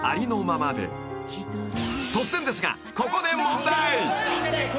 ［突然ですがここで］